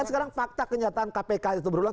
ya kan sekarang fakta kenyataan kpk itu berulang